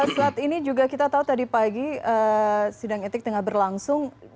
saat ini juga kita tahu tadi pagi sidang etik tengah berlangsung